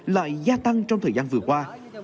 lại gia tăng trong thời gian vừa qua